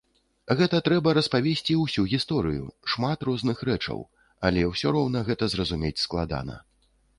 Гэта трэба распавесці ўсю гісторыю, шмат розных рэчаў, але ўсё роўна гэта зразумець складана.